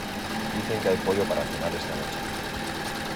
dicen que hay pollo para cenar esta noche.